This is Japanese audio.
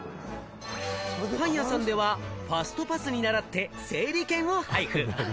パン屋さんではファストパスにならって整理券を配布。